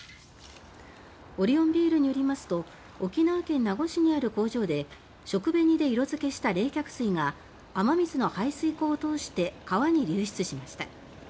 オリオンビールによりますと沖縄県名護市にある工場で食紅で色付けした冷却水が雨水の排水溝を通して川に流出しました。